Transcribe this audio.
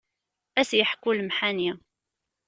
Ad as-yeḥku lemḥani.